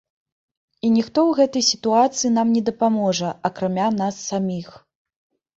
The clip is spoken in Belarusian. І ніхто ў гэтай сітуацыі нам не дапаможа, акрамя нас саміх.